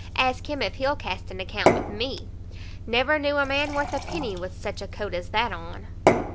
ask him if he'll cast an account with me! never knew a man worth a penny with such a coat as that on."